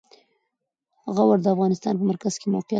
غور د افغانستان په مرکز کې موقعیت لري.